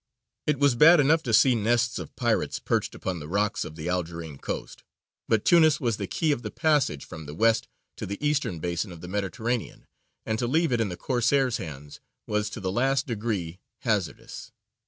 It was bad enough to see nests of pirates perched upon the rocks of the Algerine coast; but Tunis was the key of the passage from the west to the eastern basin of the Mediterranean, and to leave it in the Corsairs' hands was to the last degree hazardous.